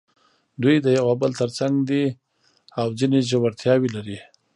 دوی د یو او بل تر څنګ دي او ځینې ژورتیاوې لري.